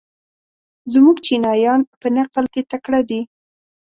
زموږ چینایان په نقل کې تکړه دي.